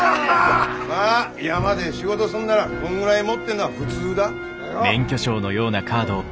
まあ山で仕事すんならこんぐらい持ってんのは普通だ。